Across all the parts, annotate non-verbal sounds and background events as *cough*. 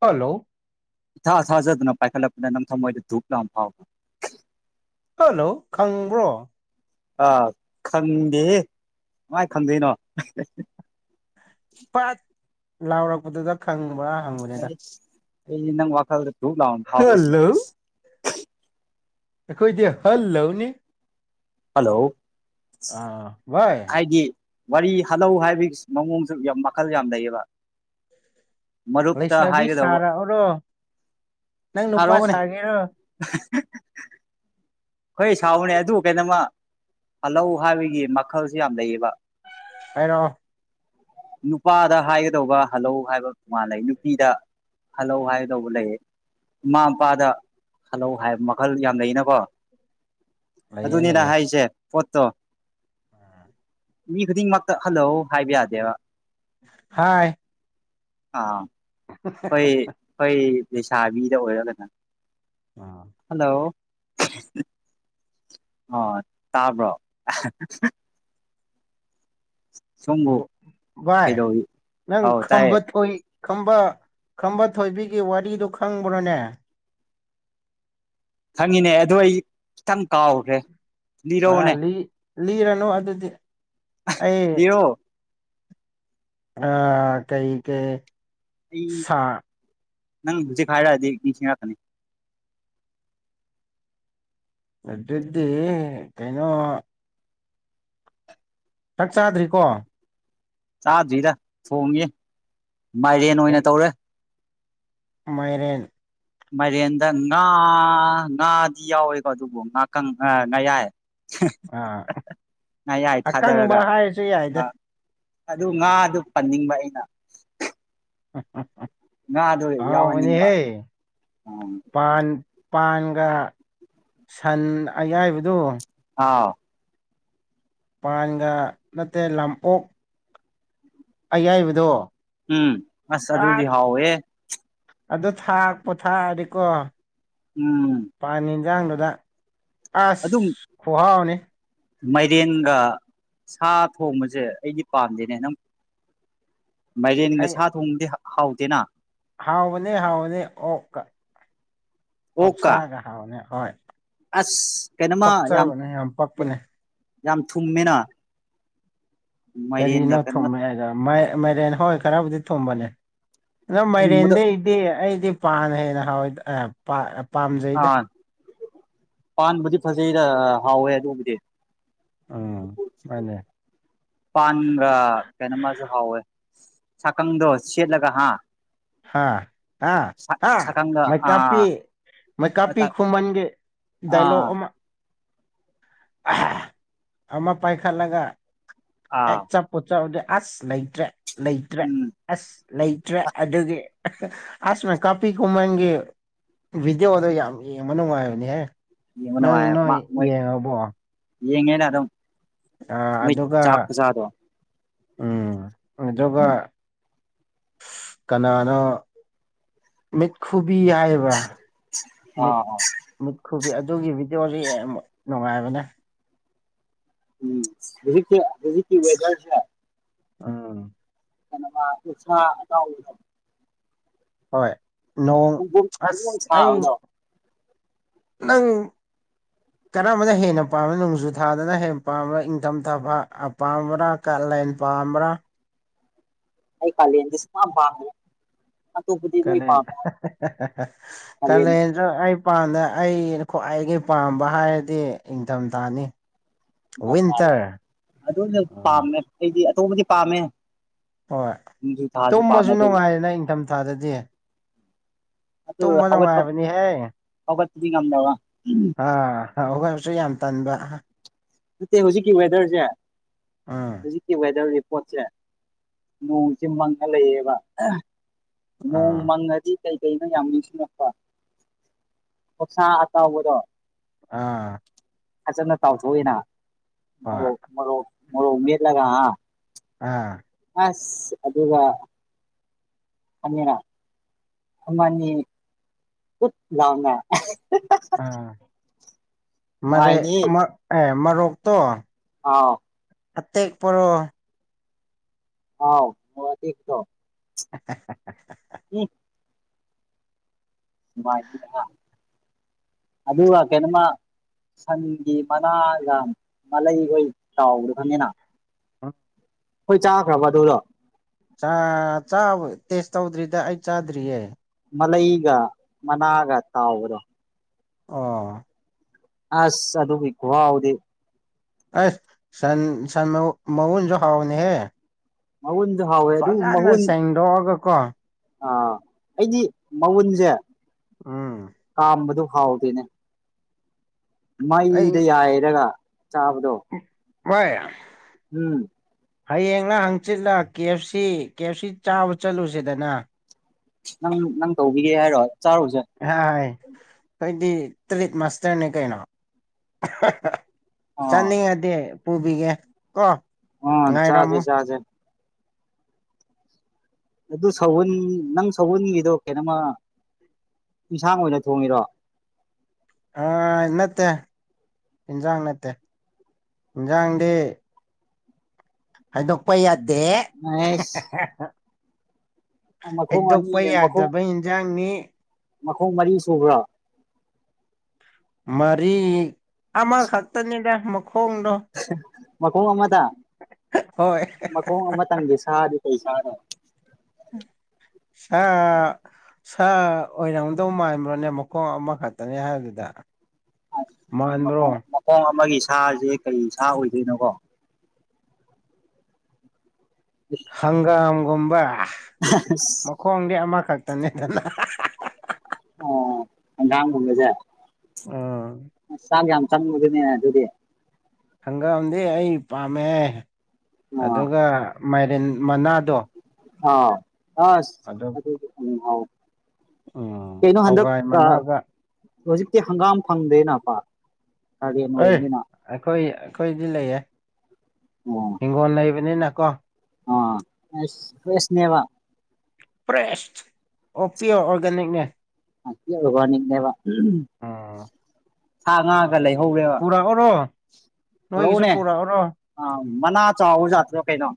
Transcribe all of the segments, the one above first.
hello ꯏꯊꯥꯊꯥꯖꯗꯅ ꯄꯥꯏꯈꯠꯂꯛꯄꯅ ꯅꯝꯊꯃꯣꯏꯗ ꯙꯨꯞ ꯂꯥꯎ ꯑꯃ ꯐꯥꯎꯕ꯭ꯔꯥ ꯍꯜꯂꯣ ꯈꯪꯕ꯭ꯔꯣ ꯑꯥ ꯈꯪꯗꯦꯍꯦ ꯀꯃꯥꯏꯅ ꯈꯪꯗꯣꯏꯅꯣ ꯄꯥꯠ ꯂꯥꯎꯔꯛꯄꯗꯨꯗ ꯈꯪꯕ꯭ꯔꯥ ꯍꯪꯕꯅꯤꯗ ꯑꯩ ꯅꯪ ꯋꯥꯈꯜꯗ ꯨ ꯗꯨꯞ ꯂꯥꯎꯅꯥ ꯐꯥꯎꯕ꯭ꯔꯥꯁꯤꯅꯤ ꯍꯜꯂꯣ ꯑꯩꯈꯣꯏꯗꯤ ꯍꯜꯂꯧꯅꯤ ꯍꯜꯂꯣ ꯑꯥ ꯚꯥꯏ ꯍꯥꯏꯗꯤ ꯋꯥꯔꯤ ꯍꯥꯜꯂꯧ ꯍꯥꯏꯕꯒꯤ ꯃꯑꯣꯡꯁꯨ ꯌꯥꯝ ꯃꯈꯜ ꯌꯥꯝ ꯂꯩꯌꯦꯕ ꯃꯔꯨꯞꯇ ꯂꯩꯁꯥꯕꯤ ꯍꯥꯏꯒꯗꯧꯕ ꯁꯥꯔꯛꯑꯣꯔꯣ ꯅꯪ ꯅꯨꯄꯥ ꯁꯥꯒꯦꯔꯣ ꯍꯦ ꯍꯦ ꯍꯣꯏ ꯁꯥꯎꯑꯣꯅꯦ ꯑꯗꯨ ꯀꯩꯅꯣꯃ ꯍꯥꯜꯂꯧ ꯍꯥꯏꯕꯒꯤ ꯃꯈꯜꯁꯨ ꯌꯥꯝ ꯂꯩꯌꯦꯕ ꯍꯥꯏꯔꯛ ꯑꯣ ꯅꯨꯄꯥꯗ ꯍꯥꯏꯒꯗꯧꯕ ꯍꯜꯂꯧ ꯍꯥꯏꯕ ꯃꯟꯂꯩ ꯅꯨꯄꯤꯗ ꯍꯜꯂꯧ ꯍꯥꯏꯒꯗꯧꯕ ꯂꯩꯌꯦ ꯏꯃꯥ ꯃꯄꯥꯗ ꯍꯜꯂꯧ ꯍꯥꯏꯕ ꯃꯈꯜ ꯌꯥꯝ ꯂꯩꯅꯀꯣ ꯂꯩꯌꯦ ꯑꯗꯨꯅꯤꯗꯥ ꯂꯩꯌꯦ ꯍꯥꯏꯁꯦ ꯄꯣꯠꯇꯣ ꯃꯤ ꯈꯨꯗꯤꯡꯃꯛꯇ ꯍꯜꯂꯣ ꯍꯥꯏꯕ ꯌꯥꯗꯦꯕ ꯍꯥꯏ ꯑꯥ ꯑꯩꯈꯣꯏ ꯑꯩꯈꯣꯏ ꯂꯩꯁꯥꯕꯤꯗ ꯑꯣꯏꯔꯒꯅ ꯍꯜꯂꯣ *unintelligible* ꯑꯥ ꯇꯥꯕ꯭ꯔꯣ ꯁꯣꯝꯕꯨ ꯚꯏ ꯀꯩꯗꯧꯔꯤ ꯅꯪ ꯑꯧ ꯇꯥꯏꯌꯦ ꯈꯝꯕ ꯊꯣꯏ ꯈꯝꯕ ꯈꯝꯕ ꯊꯣꯏꯕꯤꯒꯤ ꯋꯥꯔꯤꯗꯨ ꯈꯪꯕ꯭ꯔꯣꯅꯦ ꯈꯪꯉꯤꯅꯦ ꯑꯗꯨ ꯑꯩ ꯈꯤꯇꯪ ꯀꯥꯎꯈ꯭ꯔꯦ ꯑꯥ ꯂꯤꯔꯛꯑꯣꯅꯦ ꯂꯤ ꯂꯤꯔꯅꯨ ꯑꯗꯨꯗꯤ ꯑꯩ ꯂꯤꯔꯛꯑꯣ ꯑꯥ ꯀꯩ ꯀꯩ ꯑꯩ ꯁꯥ ꯅꯪ ꯍꯧꯖꯤꯛ ꯍꯥꯏꯔꯛꯑꯗꯤ ꯅꯤꯡꯁꯤꯡꯔꯛꯀꯅꯤ ꯑꯗꯨꯗꯤꯗꯤ ꯀꯩꯅꯣ ꯆꯥꯛ ꯆꯥꯗ꯭ꯔꯤꯀꯣ ꯆꯥꯗ꯭ꯔꯤꯗ ꯊꯣꯡꯉꯤ ꯃꯥꯏꯔꯦꯟ ꯑꯣꯏꯅ ꯀꯩ ꯇꯧꯔꯦ ꯃꯥꯏꯔꯦꯟ ꯃꯥꯏꯔꯦꯟꯗ ꯉꯥ ꯉꯥꯗꯤ ꯌꯥꯎꯋꯦꯀꯣ ꯑꯗꯨꯕꯨ ꯉꯥꯀꯪ ꯑꯥ ꯉꯥꯌꯥꯏ ꯑꯥ ꯉꯥꯌꯥꯏ ꯑꯀꯪꯕ ꯊꯥꯗꯔꯒ ꯍꯥꯏꯔꯁꯨꯌꯥꯏꯗ ꯑꯥ ꯑꯗꯨ ꯉꯥꯗꯨ ꯄꯟꯅꯤꯡꯕ ꯑꯩꯅ ꯉꯥꯗꯣ ꯌꯥꯎꯍꯟꯅꯤꯡꯕ ꯑꯍꯥꯎꯕꯅꯤꯍꯦ ꯑꯥ ꯄꯥꯟ ꯄꯥꯟꯒ ꯁꯟ ꯑꯌꯥꯏꯕꯗꯣ ꯑꯥꯎ ꯄꯥꯟꯒ ꯅꯠꯇꯦ ꯂꯝꯑꯣꯛ ꯑꯩꯌꯥꯏꯕꯗꯣ ꯎꯝ ꯑꯁ ꯑꯗꯨꯗꯤ ꯍꯥꯎꯋꯦ ꯑꯗꯣ ꯊꯥꯛꯄꯣ ꯊꯥꯑꯗꯤꯀꯣ ꯎꯝ ꯄꯥꯟ ꯌꯦꯟꯖꯥꯡꯗꯨꯗ ꯑꯁ ꯑꯗꯨꯝ ꯈꯨꯍꯥꯎꯅꯤ ꯃꯥꯏꯔꯦꯟꯒ ꯁꯥ ꯊꯣꯡꯕꯖꯦ ꯑꯩꯗꯤ ꯄꯥꯝꯗꯦꯅꯦ ꯅꯪ *inaudible* ꯃꯥꯏꯔꯦꯟꯒ ꯑꯩ ꯁꯥ ꯊꯣꯡꯕꯗꯤ ꯍꯥ ꯍꯥꯎꯇꯦꯅ ꯍꯥꯎꯕꯅꯦ ꯍꯥꯎꯕꯅꯦ ꯑꯣꯛꯀ ꯑꯣꯛꯀ ꯑꯣꯛꯁꯥꯒ ꯍꯥꯎꯅꯦ ꯍꯣꯏ ꯑꯁ ꯀꯩꯅꯣꯃ ꯌꯥꯝ ꯄꯛꯆꯕꯅꯦ ꯌꯥ ꯄꯛꯄꯅꯦ ꯌꯥꯝ ꯊꯨꯝꯃꯦꯅ ꯃꯥꯏꯔꯦꯟꯒ ꯀꯔꯤꯅꯣ ꯀꯩꯅꯣꯃ ꯊꯨꯝꯃꯦ ꯍꯥꯏꯒ ꯃꯥꯏ ꯃꯥꯏꯔꯦꯟ ꯍꯣꯏ ꯈꯔꯕꯨꯗꯤ ꯊꯨꯝꯕꯅꯦ ꯑꯗꯣ ꯊꯨꯝꯕꯗ ꯃꯥꯏꯔꯦꯟꯗꯩ ꯗꯤ ꯑꯩꯗꯤ ꯄꯥꯅ ꯍꯦꯟꯅ ꯍꯥꯎꯋꯦ ꯗ ꯑꯥ ꯄꯥ ꯄꯥꯝꯖꯩꯗ ꯑꯥ ꯄꯥꯟꯕꯨꯗꯤ ꯐꯖꯩꯔ ꯍꯥꯎꯋꯦ ꯑꯗꯨꯕꯨꯗꯤ ꯑꯥ ꯃꯥꯅꯦ ꯄꯥꯟꯒ ꯀꯩꯅꯣꯃꯁꯨ ꯍꯥꯎꯋꯦ ꯁꯥꯀꯪꯗꯣ ꯁꯦꯠꯂꯒ ꯍꯥ ꯍꯥꯥ ꯍꯥ ꯍꯥ ꯁꯥꯀꯪꯗ ꯃꯩꯀꯥꯞꯄꯤ ꯑꯥ ꯃꯩꯀꯥꯞꯄꯤ ꯑꯥ ꯈꯨꯃꯟꯒꯤ ꯗꯥꯏꯂꯣꯛ ꯑꯃ ꯑꯃ ꯄꯥꯏꯈꯠꯂꯒ ꯑꯥ ꯍꯦꯛ ꯆꯞ ꯄꯣꯠꯆꯥꯎꯗꯤ ꯑꯁ ꯂꯩꯇ꯭ꯔꯦ ꯂꯩꯇ꯭ꯔꯦ ꯎꯝ ꯑꯁ ꯂꯩꯇ꯭ꯔꯦ ꯑꯗꯨꯒꯤ ꯑꯁ ꯃꯩꯀꯥꯞꯄꯤ ꯈꯨꯃꯟꯒꯤ ꯚꯤꯗꯤꯌꯣꯗꯣ ꯌꯥꯝ ꯌꯦꯡꯕ ꯅꯨꯡꯉꯥꯏꯕꯅꯤꯍꯦ ꯌꯦꯡꯕ ꯅꯪ ꯅꯨꯡꯉꯥꯏ ꯅꯣꯏ ꯃꯣꯏ ꯌꯦꯡꯉꯕꯣ ꯌꯦꯡꯉꯦꯅ ꯑꯗꯨꯝ ꯑ ꯃꯣꯏ ꯑꯗꯨꯒ ꯆꯥꯛ ꯈꯨꯆꯥꯗꯣ ꯎꯝ ꯑꯗꯨꯒ ꯀꯅꯥꯅꯣ ꯃꯤꯠꯈꯨꯕꯤ ꯍꯥꯏꯕ ꯕꯔꯥ ꯃꯤꯠ ꯑꯥ ꯃꯤꯠꯈꯨꯕꯤ ꯑꯗꯨꯒꯤ ꯚꯤꯗꯤꯌꯣꯖꯨ ꯌꯦꯡꯕ ꯅꯨꯉꯥꯏꯕꯅꯦ ꯎꯝ ꯍꯨꯖꯤꯛꯀꯤ ꯍꯧꯖꯤꯛꯀꯤ ꯋꯦꯗꯔꯁꯦ ꯑꯥ ꯀꯦꯅꯣꯃꯥ ꯑꯣꯛꯁꯥ ꯑꯇꯥꯎꯕꯗꯣ ꯍꯣꯏ ꯅꯣꯡ ꯄꯨꯡꯄꯣꯡ ꯄꯨꯡꯄꯣꯡ ꯑꯁ ꯑꯩ ꯁꯥꯕꯗꯣ ꯅꯪ ꯀꯔꯝꯕꯅ ꯍꯦꯟꯅ ꯄꯥꯝꯃꯤ ꯅꯣꯡꯖꯨ ꯊꯥꯗꯅ ꯍꯦꯟ ꯄꯥꯝꯕꯔꯥ ꯏꯪꯊꯝꯊꯥ ꯄꯥ ꯑꯄꯥꯝꯕꯔꯥ ꯀꯥꯂꯦꯟ ꯄꯥꯝꯕ꯭ꯔꯥ ꯑꯩ ꯀꯥꯂꯦꯟꯗꯤ ꯁꯨꯄꯥꯝ ꯄꯥꯝꯗꯦ ꯀꯂꯦꯟ ꯀꯥꯂꯦꯟ ꯑ ꯑꯩ ꯄꯥꯝꯗꯦ ꯑꯩꯅ ꯈ꯭ꯋꯥꯏꯗꯒꯤ ꯄꯥꯝꯕ ꯍꯥꯏꯔꯗꯤ ꯏꯪꯊꯝꯊꯥꯅꯤ ꯏꯪꯊꯝꯊꯥꯅꯦ ꯋꯤꯟꯇꯔ ꯑꯗꯨꯅ ꯑꯥ ꯄꯥꯝꯃꯦ ꯑꯩꯗꯤ ꯑꯇꯣꯞꯄꯗꯤ ꯄꯥꯝꯃꯦ ꯍꯣꯏ ꯅꯣꯡꯖꯨ ꯊꯥꯁꯨ ꯄꯥꯝꯃꯦ ꯇꯨꯝꯃꯖꯨ ꯅꯨꯉꯥꯏꯔꯦꯅ ꯏꯪꯊꯝꯊꯥꯗꯗꯤ ꯑꯗꯨꯒ ꯇꯨꯝꯕ ꯍꯧꯒꯠꯄ ꯅꯨꯡꯉꯥꯏꯕꯅꯤꯍꯦ ꯍꯧꯒꯠꯄꯗꯤ ꯉꯝꯗꯕ ꯑꯥ *unintelligible* ꯕꯨꯁꯨ ꯌꯥꯝ ꯇꯟꯕ ꯅꯠꯇꯦ ꯍꯨꯖꯤꯛꯀꯤ ꯋꯦꯗꯔꯖꯦ ꯑꯥ ꯍꯨꯖꯤꯛꯀꯤ ꯋꯦꯗꯔ ꯔꯤꯄꯣꯔꯠꯁꯦ ꯅꯣꯡꯁꯦ ꯃꯪꯉ ꯂꯩꯌꯦꯕ ꯅꯣꯡ ꯑꯥ ꯃꯪꯉꯗꯤ ꯀꯩ ꯀꯩꯅꯣ ꯌꯥꯝ ꯅꯤꯡꯁꯤꯡꯂꯛꯄ ꯑꯣꯛꯁꯥ ꯑꯇꯥꯎꯕꯗꯣ ꯑꯥ ꯐꯖꯅ ꯇꯥꯎꯊꯣꯛꯑꯦꯅ ꯍꯣꯏ ꯃꯣꯔꯣꯛ ꯃꯣꯔꯣꯛ ꯃꯣꯔꯣꯛ ꯃꯦꯠꯂꯒ ꯍꯥ ꯑꯥ ꯑꯁ ꯑꯗꯨꯒ ꯑꯅꯤꯔꯥ ꯑꯃ ꯑꯅꯤ ꯀꯨꯠ ꯂꯥꯎꯅ ꯑꯥ ꯃꯥꯔꯦ ꯅꯨꯡꯉꯥꯏꯅꯤ ꯑꯃ ꯑꯦ ꯃꯥꯔꯣꯛꯇꯣ ꯑꯥꯎ ꯑꯇꯦꯛ ꯄꯥꯔꯣ ꯑꯥꯎ ꯃꯣꯔꯣꯛ ꯑꯇꯦꯛꯇꯣ *unintelligible* ꯎꯝ *inaudible* ꯑꯗꯨꯒ ꯀꯩꯅꯣꯃꯥ ꯁꯟꯒꯤ ꯃꯅꯥꯒ ꯃꯂꯩꯈꯣꯏ ꯇꯥꯎꯕꯗꯣ ꯈꯪꯉꯦꯅ *inaudible* ꯈꯣꯏ ꯆꯥꯈ꯭ꯔꯥꯕ ꯑꯗꯨꯗꯣ ꯆꯥ ꯆꯥꯕ ꯇꯦꯁ ꯇꯧꯗ꯭ꯔꯤꯗ ꯑꯩ ꯆꯥꯗ꯭ꯔꯤꯌꯦ ꯃꯂꯩꯒ ꯃꯅꯥꯒ ꯇꯥꯎꯕꯗꯣ ꯑꯣ ꯑꯁ ꯑꯗꯨꯒꯤ ꯈꯨꯍꯥꯎꯗꯤ ꯑꯩꯁ ꯁꯟ ꯁꯟ ꯃꯥ ꯃꯎꯟꯖꯨ ꯍꯥꯎꯕꯅꯦꯍꯦ ꯃꯥꯎꯟꯗꯨ ꯍꯥꯎ ꯐꯖꯅ ꯁꯦꯡꯗꯣꯛꯑꯒ ꯀꯣ ꯑꯥ ꯑꯩꯗꯤ ꯃꯎꯟꯖꯦ ꯎꯝ ꯀꯥꯝꯕꯗꯣ ꯍꯥꯎꯗꯦꯅꯦ ꯑꯩ ꯃꯩꯗ ꯌꯥꯏꯔꯒ ꯆꯥꯕꯗꯣ *unintelligible* ꯎꯝ ꯍꯌꯦꯡꯂꯥ ꯍꯪꯆꯤꯠꯂꯥ ꯀꯦ ꯑꯦꯐ ꯁꯤ ꯀꯦ ꯑꯦꯐ ꯁꯤ ꯆꯥꯕ ꯆꯠꯂꯨꯁꯤꯗꯅ ꯅꯪ ꯅꯪ ꯇꯧꯕꯤꯒꯦ ꯍꯥꯏꯔꯣ ꯆꯥꯔꯨꯖꯦ ꯍꯥꯏ ꯍꯣꯏꯗꯤ ꯇ꯭ꯔꯤꯠ ꯃꯥꯁꯇꯔꯅꯦ ꯀꯩꯅꯣ ꯑꯥ ꯆꯥꯅꯤꯡꯉꯗꯤ ꯄꯨꯕꯤꯒꯦ ꯀꯣ ꯑꯣ ꯆꯥꯖꯦ ꯉꯥꯏꯔꯝꯃꯨ ꯆꯥꯖꯦ ꯑꯗꯨ ꯁꯥꯍꯨꯟ ꯅꯪ ꯁꯥꯍꯨꯟꯒꯤꯗꯣ ꯀꯩꯅꯣꯝꯃꯥ ꯏꯟꯁꯥꯡ ꯑꯣꯏꯅ ꯊꯣꯡꯉꯤꯔꯣ ꯍꯥꯏ ꯅꯠꯇꯦ ꯏꯟꯖꯥꯡ ꯅꯠꯇꯦ ꯏꯟꯖꯥꯡꯗꯤ ꯍꯥꯏꯗꯣꯛꯄ ꯌꯥꯗꯦ *unintelligible* ꯃꯈꯣꯡ ꯑꯅꯤ ꯍꯩꯗꯣꯛꯄ ꯃꯈꯣꯡ ꯌꯥꯗꯕ ꯏꯟꯖꯥꯡꯅꯤ ꯃꯈꯣꯡ ꯃꯔꯤ ꯁꯨꯕ꯭ꯔꯣ ꯃꯔꯤ ꯑꯃꯈꯛꯇꯅꯤꯗ ꯃꯈꯣꯡꯗꯣ ꯃꯈꯣꯡ ꯑꯃꯗ ꯍꯣꯏ ꯃꯈꯣꯡ ꯑꯃꯇꯪꯒꯤ ꯁꯥꯗꯤ ꯀꯔꯤ ꯁꯥꯅ‌ꯣ ꯁꯥ ꯁꯥ ꯑꯣꯏꯔꯝꯗꯧ ꯃꯥꯟꯕ꯭ꯔꯣꯅꯦ ꯃꯈꯣꯡ ꯑꯃꯈꯛꯇꯅꯦ ꯍꯥꯏꯕꯗꯨꯗ ꯃꯥꯟꯕ꯭ꯔꯣ ꯈꯣꯡ ꯑꯃꯒꯤ ꯁꯥꯖꯤ ꯀꯔꯤ ꯁꯥ ꯑꯣꯏꯗꯣꯏꯅꯣ ꯀꯣ ꯍꯪꯒꯥꯝꯒꯨꯝꯕ *unintelligible* ꯃꯈꯣꯡꯗꯤ ꯑꯃꯈꯛꯇꯅꯦꯗꯅ ꯑꯣ ꯍꯡꯒꯥꯝꯒꯨꯝꯕꯖ‌ꯦ ꯎꯝ ꯆꯥꯡ ꯌꯥꯝ ꯆꯪꯕꯗꯨꯅꯦꯅ ꯑꯗꯨꯗꯤ ꯍꯪꯒꯥꯝꯗꯤ ꯑꯩ ꯄꯥꯝꯃꯦ ꯑꯥ ꯑꯗꯨꯒ ꯃꯥꯏꯔꯦꯟ ꯃꯅꯥꯗꯣ ꯑꯥ ꯑꯁ ꯑꯗꯨꯒ ꯑꯗꯨꯗꯤ ꯑꯗꯨꯝ ꯍꯥꯎ ꯎꯝ ꯀꯩꯅꯣ ꯍꯟꯗꯛ ꯍꯋꯥꯏꯏ ꯃꯅꯥꯒ ꯍꯧꯖꯤꯛꯇꯤ ꯍꯪꯒꯥꯝ ꯐꯪꯗꯦꯅ ꯄꯥꯛ ꯀꯥꯂ‌ꯦꯟ ꯑꯦ ꯑꯣꯏꯕꯅꯤꯅ ꯑꯩꯈꯣꯏ ꯑꯩꯈꯣꯏꯗꯤ ꯂꯩꯌꯦ ꯎꯝ ꯍꯤꯡꯒꯣꯟ ꯂꯩꯕꯅꯤꯅ ꯀꯣ ꯑꯥ ꯑꯁ ꯐ꯭ꯔꯦꯁꯅꯦꯕ ꯄ꯭ꯔꯦꯁ ꯑꯣ ꯄꯤꯌꯣ ꯑꯣꯔꯒꯅꯤꯛꯅꯦ *unintelligible* ꯑꯣꯔꯒꯅꯤꯛꯅꯦꯕ ꯎꯝ ꯁꯥ ꯉꯥ ꯈꯔ ꯂꯩꯍꯧꯔꯦꯕ ꯄꯨꯔꯛꯎꯔꯣ ꯅꯣꯏꯒꯤꯁꯨ ꯄꯨꯔꯛꯎꯅꯦ ꯄꯨꯔꯛꯎꯔꯣ ꯑ ꯃꯅꯥ ꯆꯥꯎꯕꯖꯥꯠꯇꯨꯔꯣ ꯀꯩꯅꯣ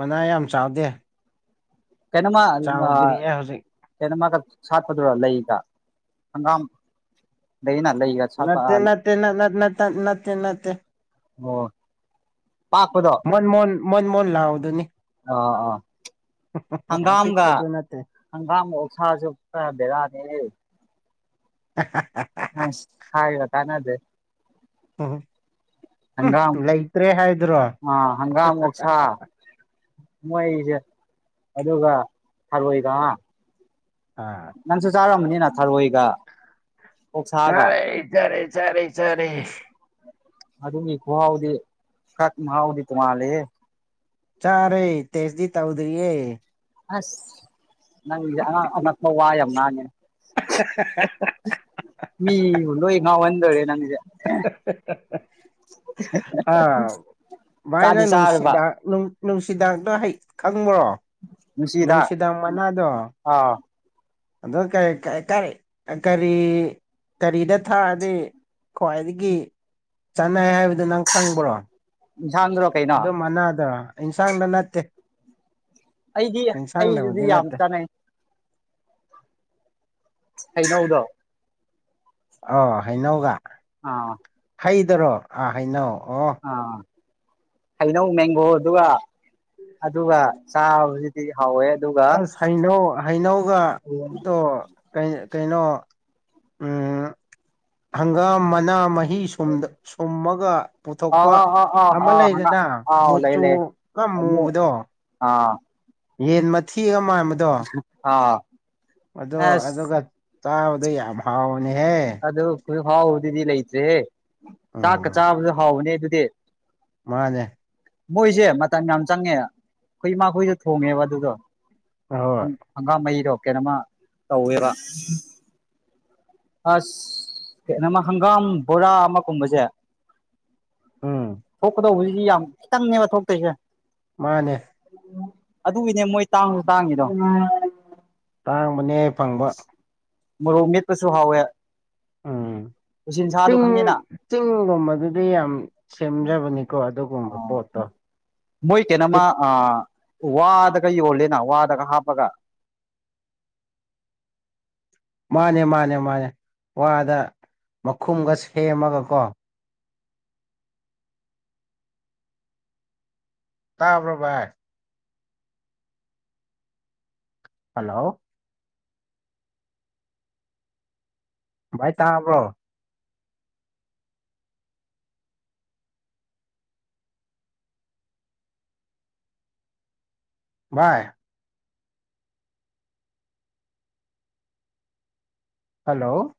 ꯃꯅꯥ ꯌꯥꯝ ꯆꯥꯎꯗꯦ ꯀꯩꯅ‌ꯣꯝꯃ ꯑ ꯆꯥꯎꯗ꯭ꯔꯤꯌꯦ ꯍꯧꯖꯤꯛ ꯀꯩꯅ‌ꯣꯝꯃꯒ ꯁꯥꯠꯄꯗꯨꯔ‌ꯣ ꯂꯩꯗ ꯍꯪꯒꯥꯝ ꯂꯩꯑꯦꯅ ꯂꯩꯒ ꯁꯥꯠꯄ ꯅꯠꯇꯦ ꯑꯥ ꯅꯠꯇꯦ ꯅꯠ ꯅꯠ ꯅꯠꯇ ꯅꯠꯇꯦ ꯅꯠꯇꯦ ꯑꯣ ꯄꯥꯛꯄꯗꯣ ꯃ‌ꯣꯟ ꯃꯣꯟ ꯃ‌ꯣꯟ ꯃꯣꯟ ꯂꯥꯎꯕꯗꯨꯅꯤ ꯑ ꯑꯥ ꯍꯪꯒꯥꯝꯒ ꯑꯄꯤꯛꯄꯗꯨ ꯅꯠꯇꯦ ꯍꯪꯒꯥꯝꯒ ꯑꯣꯛꯁꯥꯁꯨ ꯈꯔ ꯕꯦꯔꯥꯅꯤꯍ‌ꯦ *unintelligible* ꯑꯁ ꯍꯥꯏꯔ ꯀꯥꯟꯅꯗꯦ ꯍꯪꯒꯥꯝ ꯎꯝ ꯂꯩꯇ꯭ꯔꯦ ꯍꯥꯏꯗꯨꯔꯣ ꯑꯥ ꯃꯣꯏꯖ‌ꯦ ꯑꯗꯨꯒ ꯊꯔꯣꯏꯒ ꯍꯥ ꯑꯥ ꯅꯪꯁꯨ ꯆꯥꯔꯝꯒꯅꯤꯅ ꯊꯔꯣꯏꯒ ꯑꯣꯛꯁꯥꯒ ꯒꯥꯔꯦ ꯆꯥꯔꯦ ꯆꯥꯔꯦ ꯆꯥꯔꯦ ꯑꯗꯨꯒꯤ ꯈꯨꯍꯥꯎꯗꯤ ꯈꯛ ꯃꯍꯥꯎꯗꯤ ꯇꯣꯡꯉꯥꯜꯂꯦꯍꯦ ꯆꯥꯔꯦ ꯇꯦꯁꯗꯤ ꯇꯧꯗ꯭ꯔꯤꯌꯦ ꯑꯁ ꯅꯪꯒꯤꯖ‌ꯦ ꯑꯉꯥꯡ ꯑꯉꯛꯄ ꯋꯥ ꯌꯥꯝ ꯉꯥꯡꯉꯦ *unintelligible* ꯃꯤꯕꯨ ꯂꯣꯏ ꯉꯥꯎꯍꯟꯗꯣꯏꯔꯦ ꯅꯪꯖꯦ ꯑ ꯚꯥꯏꯅ ꯆꯥꯗꯤ ꯆꯥꯔꯕ ꯅꯨꯡꯁꯤꯕ ꯅꯨꯡ ꯅꯨꯡꯁꯤꯗꯥꯡꯗꯣ ꯍꯩ ꯈꯪꯕ꯭ꯔꯣ ꯅꯨꯡꯁꯤ ꯍꯤꯗꯥꯛ ꯅꯨꯡꯁꯤꯗꯥꯛ ꯑꯥꯎ ꯑꯗ‌ꯣ ꯀꯩ ꯀꯩ ꯀꯔꯤ ꯑꯥ ꯀꯔꯤ ꯀꯔꯤꯗ ꯊꯛꯑꯗꯤ ꯈ꯭ꯋꯥꯏꯗꯒꯤ ꯆꯥꯅꯩ ꯍꯥꯏꯕꯗ‌ꯣ ꯅꯪ ꯈꯪꯕ꯭ꯔꯣ ꯏꯟꯁꯥꯡꯗꯨꯔꯣ ꯀꯩꯅꯣ ꯑꯗ‌ꯣ ꯃꯅꯥꯗ ꯏꯟꯁꯥꯡꯗ ꯅꯠꯇꯦ ꯑꯩꯗꯤ ꯌꯦꯟꯁꯥꯡꯗꯕꯨꯗꯤ ꯍꯩꯗꯗꯤ ꯌꯥꯝ ꯅꯠꯇꯦ ꯆꯥꯅꯩ ꯍꯩꯅꯧ ꯗꯣ ꯑꯥ ꯍꯩꯅꯧꯒ ꯑꯥ ꯍꯩꯗꯔꯣ ꯑꯥ ꯍꯩꯅꯧ ꯑꯣ ꯑꯥ ꯍꯩꯅꯧ ꯃꯦꯡꯒꯣ ꯗꯨꯒ ꯑꯗꯨꯒ ꯆꯥꯕꯁꯤꯗꯤ ꯍꯥꯎꯋꯦ ꯑꯗꯨꯒ ꯑꯁ ꯍꯩꯅꯧ ꯍꯩꯅꯧꯒ ꯇ‌ꯣ ꯀꯩ ꯀꯩꯅꯣ ꯎꯝ ꯍꯪꯒꯥꯝ ꯃꯅꯥ ꯃꯍꯤ ꯁꯨꯝꯗ ꯁꯨꯝꯃꯒ ꯑꯥ ꯄꯨꯊꯣꯛꯄ ꯑꯥ ꯑꯥ ꯑꯥ ꯑꯃꯥ ꯑꯥ ꯍꯪꯒꯥꯝ ꯂꯩꯗꯅ ꯑꯥꯎ ꯂꯩ ꯃꯨꯆꯨ ꯂꯩ ꯀ ꯑꯃꯨꯛ ꯃꯨꯕꯗꯣ ꯑꯥ ꯌꯦꯟ ꯃꯊꯤꯒ ꯃꯥꯟꯕꯗꯣ *unintelligible* ꯑꯗ‌ꯣ ꯑꯗ‌ꯣꯒ ꯑꯁ ꯆꯕꯗ‌ꯣ ꯌꯥꯝ ꯍꯥꯎꯕꯅꯦꯍꯦ ꯑꯗꯨ ꯍꯨꯖꯤꯛ ꯐꯥꯎꯕꯗꯨꯗꯤ ꯂꯩꯇ꯭ꯔꯦꯍꯦ ꯆꯥꯛꯀ ꯎꯝ ꯆꯥꯕꯁꯨ ꯍꯥꯎꯕꯅꯦ ꯑꯗꯨꯗꯤ ꯃꯥꯅꯦ ꯃꯣꯏꯁꯦ ꯃꯇꯝ ꯌꯥꯝ ꯆꯪꯉꯦ ꯈꯣꯏ ꯏꯃꯥ ꯈꯣꯏꯅ ꯊꯣꯡꯉꯦꯕ ꯑꯗꯨꯗꯣ ꯍꯪ ꯑꯍꯣꯏ ꯍꯪꯒꯥꯝ ꯃꯍꯤꯗꯣ ꯀ‌ꯦꯅꯣꯃ ꯇꯧꯋꯦꯕ ꯑꯁ ꯀ‌ꯦꯅ‌ꯣꯃ ꯍꯪꯒꯥꯝ ꯕꯣꯔꯥ ꯑꯃꯥ ꯀꯨꯝꯕꯖ‌ꯦ ꯎꯝ ꯊꯣꯛꯀꯗꯧꯕ ꯗꯨꯗꯤ ꯌꯥꯝ ꯈꯤꯇꯪꯅꯦꯕ ꯊꯣꯛꯇꯣꯏꯁꯦ ꯃꯥꯅꯦ ꯑꯗꯨꯒꯤꯅꯦ ꯃꯣꯏ ꯇꯥꯡꯁꯨ ꯇꯥꯡꯉꯤꯗꯣ ꯇꯥꯡꯕꯅꯦ ꯐꯪꯕ ꯃꯣꯔꯣꯛ ꯃꯦꯠꯄꯁꯨ ꯍꯥꯎꯋꯦ ꯎꯝ ꯎꯆꯤꯟꯁꯥꯗꯣ ꯆꯤꯡ ꯈꯪꯉꯦꯅ ꯆꯤꯡꯒꯨꯝꯕ ꯗꯨꯗꯤ ꯌꯥꯝ ꯁꯦꯝꯖꯕꯅꯤꯀꯣ ꯑꯗꯨꯒꯨꯝꯕ ꯄꯣꯠꯇꯣ ꯃꯣꯏ ꯀ‌ꯦꯅꯣꯃ ꯑꯥ ꯋꯥ ꯗꯒ ꯌꯣꯜꯂꯦꯅ ꯋꯥ ꯗꯒ ꯍꯥꯞꯄꯒ ꯃꯥꯅꯦ ꯃꯥꯅꯦ ꯃꯥꯅꯦ ꯋꯥꯗ ꯃꯈꯨꯝꯒ ꯁꯦꯝꯃꯒꯀꯣ ꯇꯥꯕ꯭ꯔꯣ ꯚꯥꯏ ꯍꯂꯣ ꯚꯥꯏ ꯇꯥꯕ꯭ꯔꯣ ꯚꯥꯏ ꯍꯜꯂꯣ